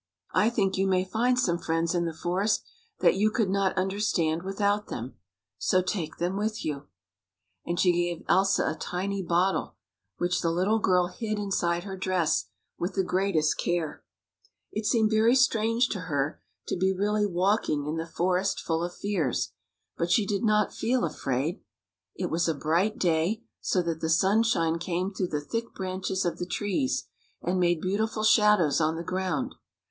I think you may find some friends in the forest that you could not understand without them. So take them with you." And she gave Elsa a tiny bottle, which the little 95 THE FOREST FULL OF FRIENDS girl hid inside her dress with the greatest care. It seemed very strange to her to be really walking in the Forest Full of Fears, but she did not feel afraid. It was a bright day, so that the sunshine came through the thick branches of the trees, and made beautiful shadows on the ground.